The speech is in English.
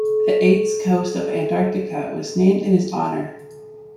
The Eights Coast of Antarctica was named in his honor.